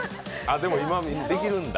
でも今、できるんだ。